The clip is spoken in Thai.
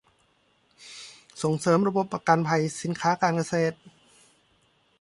ส่งเสริมระบบประกันภัยสินค้าเกษตร